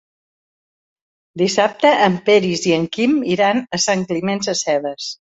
Dissabte en Peris i en Quim iran a Sant Climent Sescebes.